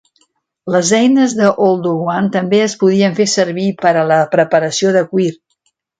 Les eines de Oldowan també es podien fer servir per a la preparació de cuir.